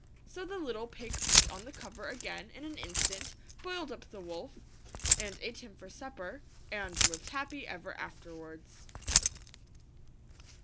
So the little pig put on the cover again in an instant, boiled up the wolf and ate him for supper, and lived happy ever afterwards.